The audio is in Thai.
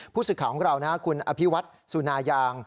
พูดศึกิขาของเราน่ะคุณอภีรวรรษสุนายาง